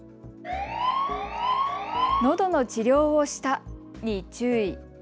のどの治療をしたに注意。